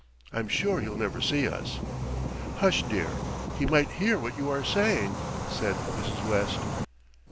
I'm sure he'll never see us." "Hush, dear, he might hear what you are saying," said Mrs. West.